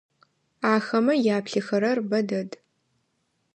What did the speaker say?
Ахэмэ яплъыхэрэр бэ дэд.